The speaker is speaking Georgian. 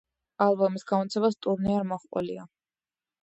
ალბომის გამოცემას ტურნე არ მოჰყოლია.